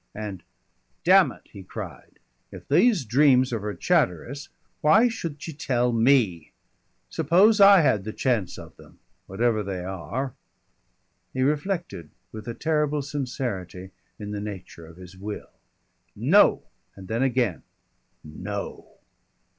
And "Damn it!" he cried, "if these dreams are for Chatteris, why should she tell me? Suppose I had the chance of them Whatever they are " He reflected, with a terrible sincerity in the nature of his will. "No!" And then again, "No!